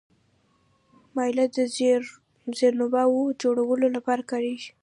مالیه د زیربناوو جوړولو لپاره کارېږي.